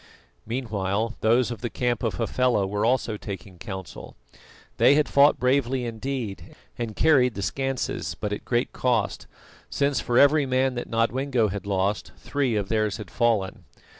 Meanwhile, those of the camp of Hafela were also taking counsel. They had fought bravely indeed, and carried the schanses; but at great cost, since for every man that Nodwengo had lost, three of theirs had fallen.